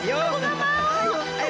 ya berenang ya